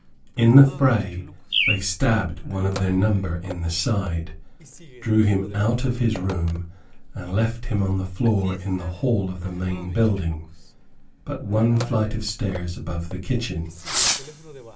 In the fray they stabbed one of their number in the side, drew him out of his room, and left him on the floor in the hall of the main building, but one flight of stairs above the kitchen.